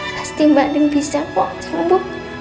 pasti mbak den bisa kok sembuh